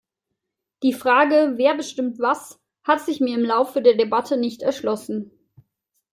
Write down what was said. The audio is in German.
Die Frage "Wer bestimmt was?" hat sich mir im Lauf der Debatte nicht erschlossen.